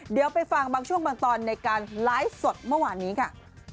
เดี๋ยวไปฟังบางช่วงบางตอนในการไลฟ์สดเมื่อวานนี้ค่ะ